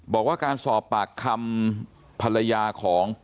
บอกว่าการสอบปากคำภรรยาของ